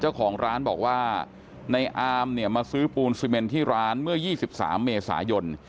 เจ้าของร้านบอกว่าในอามเนี่ยมาซื้อปูนซีเมนที่ร้านเมื่อ๒๓เมษายน